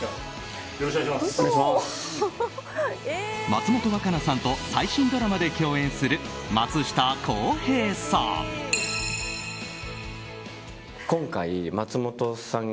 松本若菜さんと最新ドラマで共演する松下洸平さん。